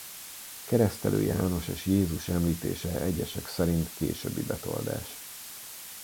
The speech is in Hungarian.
Keresztelő János és Jézus említése egyesek szerint későbbi betoldás.